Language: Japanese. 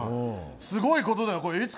すごいことだよ。